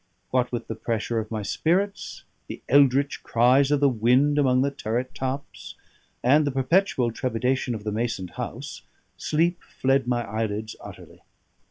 What with the pressure on my spirits, the eldritch cries of the wind among the turret tops, and the perpetual trepidation of the masoned house, sleep fled my eyelids utterly.